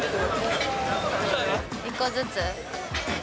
１個ずつ？